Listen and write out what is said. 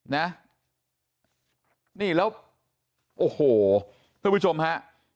นี่แล้วโอ้โหท่านผู้ชมฮะ